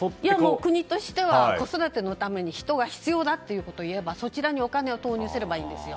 国としては子育てのために人が必要だということを言えばそちらにお金を投入すればいいんです。